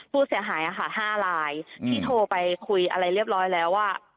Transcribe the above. ผู้เสียหาย๕ลายที่โทรไปคุยอะไรเรียบร้อยแล้วว่า